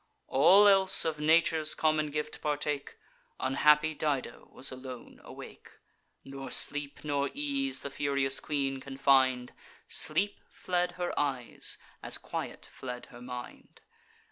All else of nature's common gift partake: Unhappy Dido was alone awake. Nor sleep nor ease the furious queen can find; Sleep fled her eyes, as quiet fled her mind.